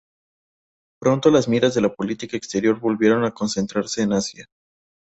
Pronto las miras de la política exterior volvieron a concentrarse en Asia.